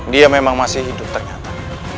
dia memang masih hidup ternyata